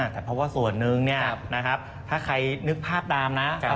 แต่เพราะว่าส่วนหนึ่งถ้าใครนึกภาพตามนะ